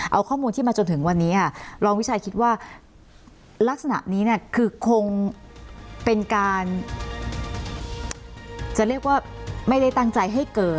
เอาข้อมูลที่มาจนถึงวันนี้รองวิชัยคิดว่าลักษณะนี้เนี่ยคือคงเป็นการจะเรียกว่าไม่ได้ตั้งใจให้เกิด